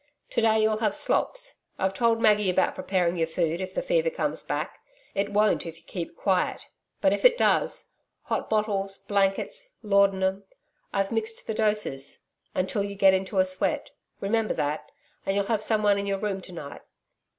To day you'll have slops. I've told Maggie about preparing your food, if the fever comes back it won't if you keep quiet but if it does hot bottles blankets laudanum I've mixed the doses until you get into a sweat. Remember that. And you'll have someone in your room to night.'